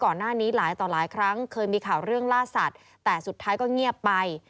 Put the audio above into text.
ก่อนหน้านี้หลายต่อหลายครั้งเคยมีข่าวเรื่องล่าสัตว์แต่สุดท้ายก็เงียบไป